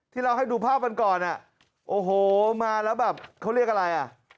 ที่เราให้ดูภาพก่อนโอ้โหมาแล้วเขาเรียกอะไร